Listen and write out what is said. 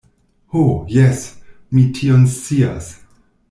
Ho, jes, mi tion scias.